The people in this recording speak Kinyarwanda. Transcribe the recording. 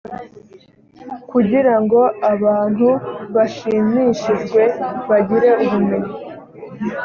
kugira ngo abantu bashimishijwe bagire ubumenyi